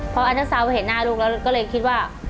พออันเตอร์ซาวเห็นหน้าลูกแล้วก็เลยคิดว่า